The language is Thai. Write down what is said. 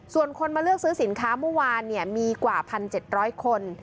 ส่วนคนมาเลือกซื้อสินค้าเมื่อวานมีกว่า๑๗๐๐คน